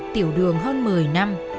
tiểu đường hơn một mươi năm